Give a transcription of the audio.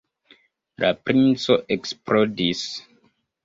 La princo eksplodis.